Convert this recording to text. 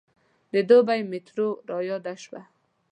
د دوبۍ میټرو رایاده شوه.